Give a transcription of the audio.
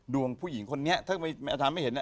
ดวงผู้หญิงคนนี้ถ้าอาจารย์ไม่เห็น